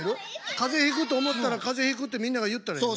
風邪ひくと思ったら風邪ひくってみんなが言ったらええの？